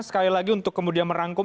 sekali lagi untuk kemudian merangkum